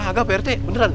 kagak pak rete beneran